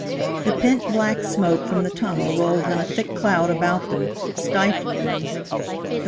The pent black smoke from the tunnel rolled in a thick cloud about them, stifling them.